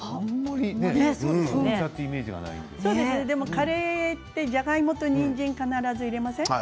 カレーは、じゃがいもとにんじんを必ず入れません？